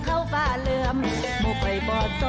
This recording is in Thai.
โอ้โห